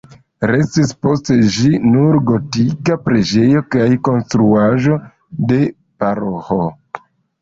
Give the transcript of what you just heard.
Restis post ĝi nur gotika preĝejo kaj konstruaĵo de paroĥo.